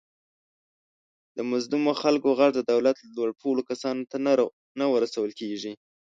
د مظلومو خلکو غږ د دولت لوپوړو کسانو ته نه ورسول کېږي.